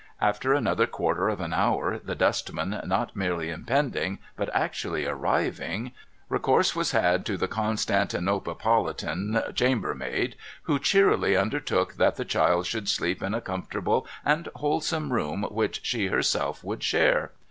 After another quarter of an hour, the dustman not merely impending, but actually arriving, recourse was had to the Constantinopolitan chambermaid : who cheerily under took that the child should sleep in a comfortable and wholesome room, which she herself would share.